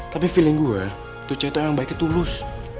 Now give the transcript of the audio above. tapi feeling gue tuh cetho emang baiknya tulus